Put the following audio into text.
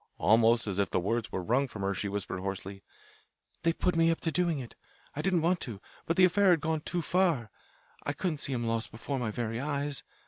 Almost as if the words were wrung from her she whispered hoarsely: "They put me up to doing it; I didn't want to. But the affair had gone too far. I couldn't see him lost before my very eyes.